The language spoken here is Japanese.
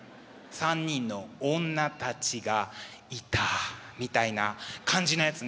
「３人の女たちがいた」みたいな感じのやつね。